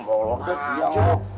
bolong udah siang